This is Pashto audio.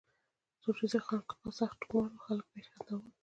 روزې خان کاکا سخت ټوکمار وو ، خلک به ئی خندول